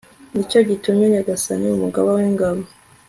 ni cyo gitumye nyagasani, umugaba w'ingabo